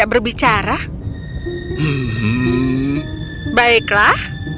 jika perasaannya sedang tak easier dia berada dalam jangka lihatan tersebut